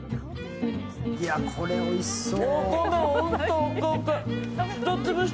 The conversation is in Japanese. いや、これおいしそう。